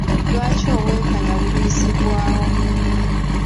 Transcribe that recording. Lwaki obwenkanya bulwisibwawo?